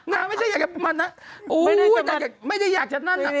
นางไม่ใช่อยากจะมานั่น